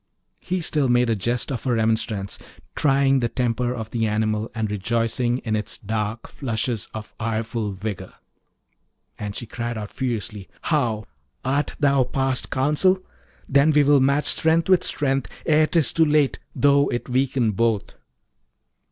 He still made a jest of her remonstrance, trying the temper of the animal, and rejoicing in its dark flushes of ireful vigour. And she cried out furiously, 'How! art thou past counsel? then will we match strength with strength ere 'tis too late, though it weaken both.'